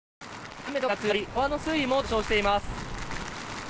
雨と風が強まり川の水位も上昇しています。